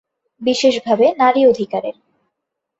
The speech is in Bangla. বিশেষ ভাবে নারী অধিকারের।